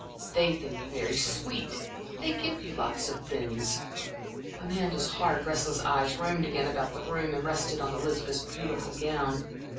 They think you very sweet, they give you lots of things" Amanda's hard, restless eyes roamed again about the room and rested on Elizabeth's beautiful gown.